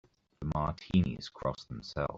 The Martinis cross themselves.